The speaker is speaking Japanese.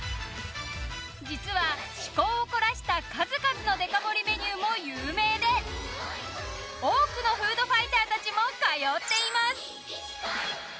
実は趣向を凝らした数々のデカ盛りメニューも有名で多くのフードファイターたちも通っています。